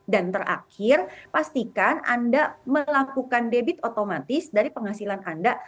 dan terakhir pastikan anda melakukan debit otomatis dari penghasilan anda